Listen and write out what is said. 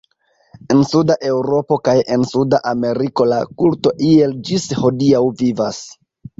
En Suda Eŭropo kaj en Suda Ameriko la kulto iel ĝis hodiaŭ vivas.